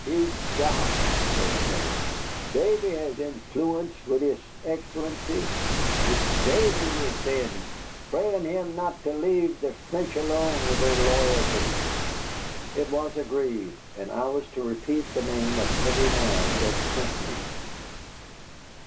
"Begob!" said Terence, "Davy has inflooence wid his Excellency. It's Davy we'll sind, prayin' him not to lave the Frinch alone wid their loyalty." It was agreed, and I was to repeat the name of every man that sent me.